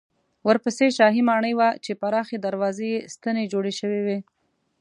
ورپسې شاهي ماڼۍ وه چې پراخې دروازې یې ستنې جوړې شوې وې.